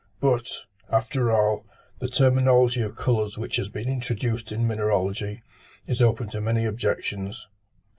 But, after all, the terminology of colours which has been introduced in mineralogy, is open to many objections.